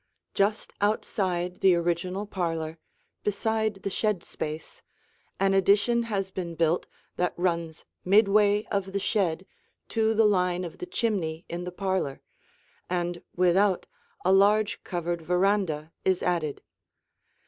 Just outside the original parlor, beside the shed space, an addition has been built that runs midway of the shed to the line of the chimney in the parlor, and without a large covered veranda is added.